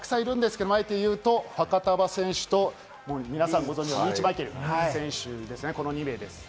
たくさんいるんですが、あえて言うとファカタヴァ選手と皆さんご存じのリーチ・マイケル選手、この２名です。